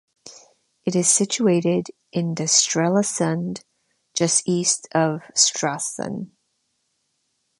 It is situated in the Strelasund just east of Stralsund.